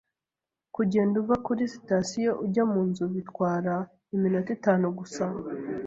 Kugenda uva kuri sitasiyo ujya munzu bitwara iminota itanu gusa.